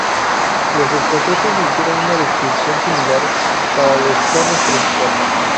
Los escoceses hicieron una descripción similar para los tonos principales.